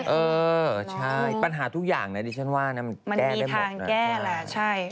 เออใช่ปัญหาทุกอย่างน่ะดิฉันว่ามันแก้ได้หมดนะมันมีทางแก้แหละใช่